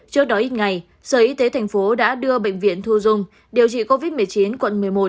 trước đó ít ngày sở y tế thành phố đã đưa bệnh viện thu dung điều trị covid một mươi chín quận một mươi một